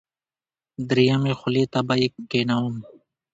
دریمې خولې ته به یې کېنوم.